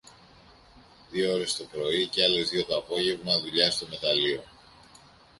Δυο ώρες το πρωί και άλλες δυο το απόγεμα δουλειά στο μεταλλείο.